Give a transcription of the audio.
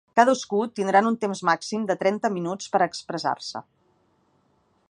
Cadascú tindran un temps màxim de trenta minuts per a expressar-se.